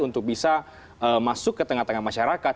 untuk bisa masuk ke tengah tengah masyarakat